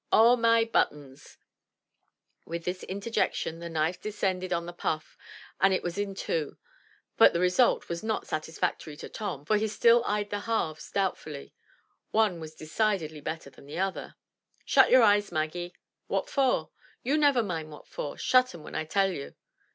O my buttons !" With this interjection the knife descended on the puff and it was in two, but the result was not satisfactory to Tom, for he still eyed the halves doubtfully — one was decidedly better than the other. "Shut your eyes, Maggie." "What for?" "You never mind what for. Shut 'em when I tell you."